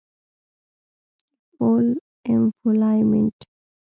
Full Employment